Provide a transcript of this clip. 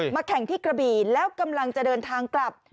แข่งที่กระบี่แล้วกำลังจะเดินทางกลับ